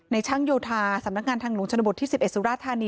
ช่างโยธาสำนักงานทางหลวงชนบทที่๑๑สุราธานี